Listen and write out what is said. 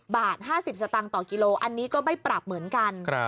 บาท๕๐สตางค์ต่อกิโลอันนี้ก็ไม่ปรับเหมือนกัน